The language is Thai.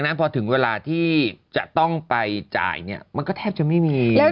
พอถึงเวลาที่จะต้องไปจ่ายเนี่ยมันก็แทบจะไม่มี